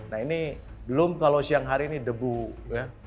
nah ini belum kalau siang hari ini debu ya